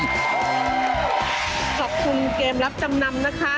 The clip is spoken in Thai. ขอบคุณเกมรับจำนำนะคะ